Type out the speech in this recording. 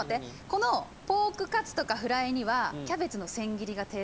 このポークカツとかフライにはキャベツの千切りが定番だよね？